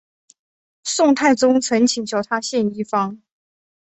宋太宗曾请求他献医方。